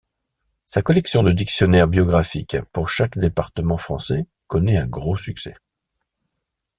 Sa collection de dictionnaires biographique pour chaque département français connaît un gros succès.